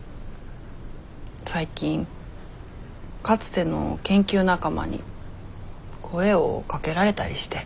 最近かつての研究仲間に声をかけられたりして。